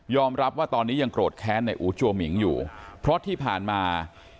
รับว่าตอนนี้ยังโกรธแค้นในอูจัวหมิงอยู่เพราะที่ผ่านมา